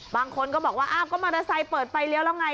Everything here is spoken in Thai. บางคนก็บอกว่าอ้าวก็มอเตอร์ไซค์เปิดไฟเลี้ยวแล้วไง